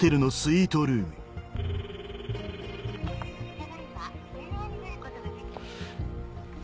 ただ今電話に出ることができません。